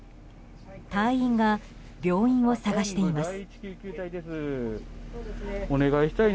隊員が病院を探しています。